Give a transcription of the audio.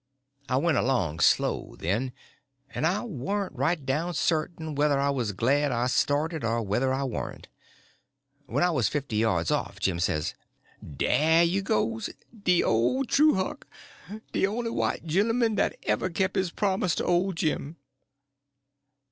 I went along slow then, and I warn't right down certain whether I was glad I started or whether I warn't. When I was fifty yards off, Jim says: "Dah you goes, de ole true Huck; de on'y white genlman dat ever kep' his promise to ole Jim."